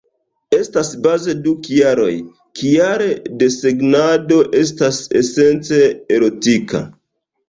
Estas baze du kialoj, kial desegnado estas esence erotika.